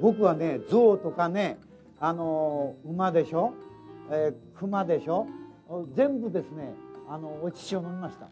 僕はね、象とかね、馬でしょ、熊でしょ、全部ですね、お乳を飲みました。